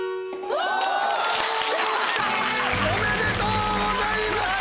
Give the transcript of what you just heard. おめでとうございます！